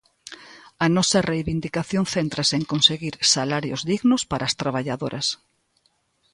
A nosa reivindicación céntrase en conseguir salarios dignos para as traballadoras.